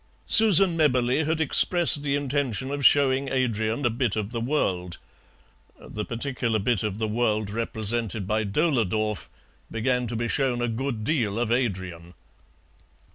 Susan Mebberley had expressed the intention of showing Adrian a bit of the world; the particular bit of the world represented by Dohledorf began to be shown a good deal of Adrian.